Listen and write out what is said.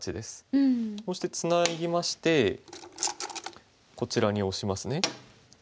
こうしてツナぎましてこちらにオシますね。